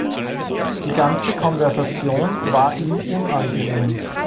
Die ganze Konversation war ihm unangenehm.